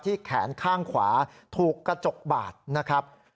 แขนข้างขวาถูกกระจกบาดนะครับ